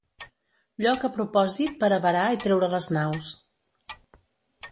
Lloc a propòsit per a varar i treure les naus.